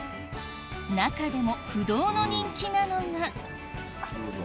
中でも不動の人気なのがどうぞ。